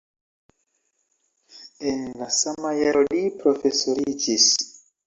En la sama jaro li profesoriĝis.